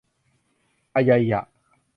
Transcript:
อะไยอ่ะ